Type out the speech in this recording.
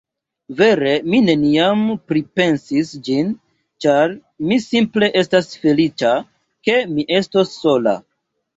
Vere, mi neniam pripensis ĝin, ĉar mi simple estas feliĉa, ke mi estos sola.